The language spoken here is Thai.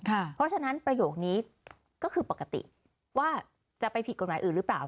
เพราะฉะนั้นประโยคนี้ก็คือปกติว่าจะไปผิดกฎหมายอื่นหรือเปล่า